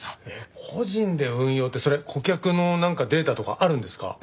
えっ個人で運用ってそれ顧客のなんかデータとかあるんですか？